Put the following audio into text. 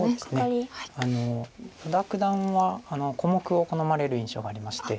依田九段は小目を好まれる印象がありまして。